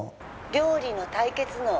「料理の対決の」